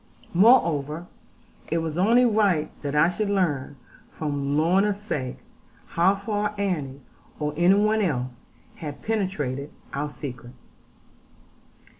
Moreover, it was only right that I should learn, for Lorna's sake, how far Annie, or any one else, had penetrated our secret.